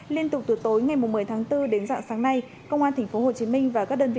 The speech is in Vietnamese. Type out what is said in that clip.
liên tục từ tối ngày một mươi tháng bốn đến dạng sáng nay công an tp hcm và các đơn vị